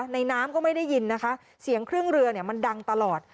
น้ำก็ไม่ได้ยินนะคะเสียงเครื่องเรือเนี่ยมันดังตลอด